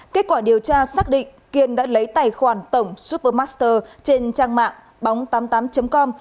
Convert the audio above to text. kết quả điều tra xác định kiên đã lấy tài khoản tổng super master trên trang mạng bóng tám mươi tám com